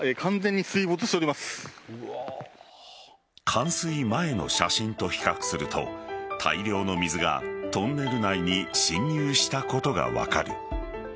冠水前の写真と比較すると大量の水がトンネル内に侵入したことが分かる。